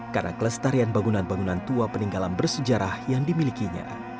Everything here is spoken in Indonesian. karena kelestarian bangunan bangunan tua peninggalan bersejarah yang dimilikinya